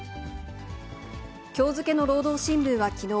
きょう付けの労働新聞はきのう、